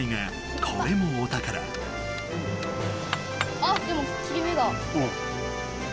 あっでも切れ目が。